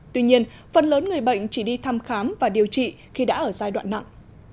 tuy nhiên phần lớn người bệnh chỉ đi thăm khám và điều trị khi đã ở giai đoạn nặng